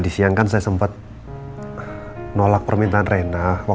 bisa ketemuan di rumah aja ya